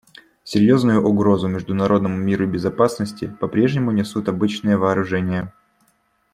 Серьезную угрозу международному миру и безопасности попрежнему несут обычные вооружения.